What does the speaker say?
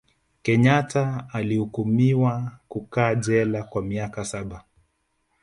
kenyata alihukumiwa kukaa jela kwa miaka saba